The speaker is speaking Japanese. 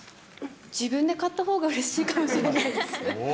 自分で買ったほうがうれしいかもしれないです。